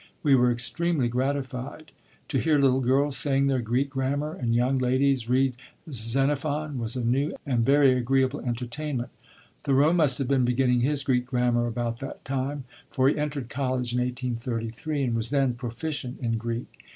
We were extremely gratified. To hear little girls saying their Greek grammar and young ladies read Xenophon was a new and very agreeable entertainment." Thoreau must have been beginning his Greek grammar about that time, for he entered college in 1833, and was then proficient in Greek.